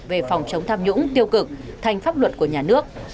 về phòng chống tham nhũng tiêu cực thành pháp luật của nhà nước